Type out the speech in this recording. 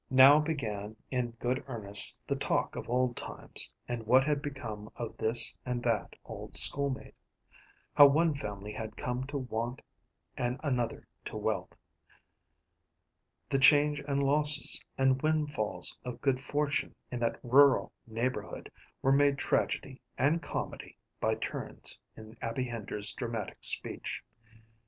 Now began in good earnest the talk of old times, and what had become of this and that old schoolmate; how one family had come to want and another to wealth. The changes and losses and windfalls of good fortune in that rural neighborhood were made tragedy and comedy by turns in Abby Hender's dramatic speech.